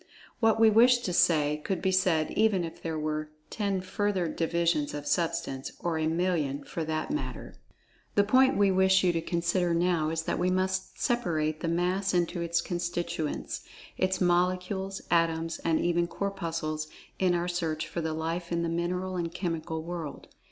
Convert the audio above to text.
What we wish to say, could be said even if there were ten further divisions of Substance—or a million, for that matter. The point we wish you to consider now, is that we must separate the Mass into its constituents—its Molecules, Atoms, and even Corpuscles—in our search for the Life in the Mineral and Chemical World.